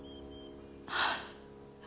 ああ。